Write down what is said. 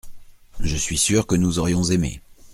Je suis sûr que nous aurions aimé.